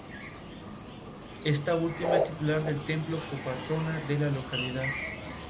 Esta última es titular del templo y copatrona de la localidad.